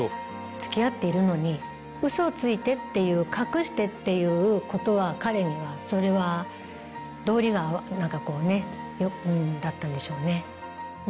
付き合っているのにウソをついてっていう隠してっていう事は彼にはそれは道理がなんかこうねだったんでしょうね。